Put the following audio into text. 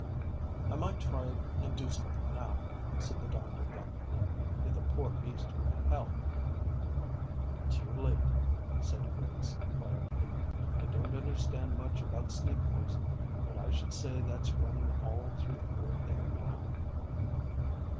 "I might try and do something now," said the doctor thoughtfully, "if the poor beast were held." "Too late," said Griggs quietly. "I don't understand much about snake poison, but I should say that's running all through the poor thing now."